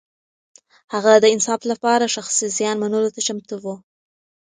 هغه د انصاف لپاره شخصي زيان منلو ته چمتو و.